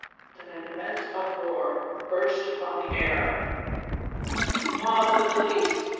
Tlien an immense uproar burst upon the air :" Mob the police